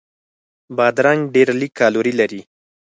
بادرنګ ډېر لږ کالوري لري.